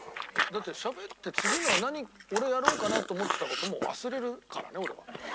だってしゃべって次の俺やろうかなって思ってた事も忘れるからね俺は。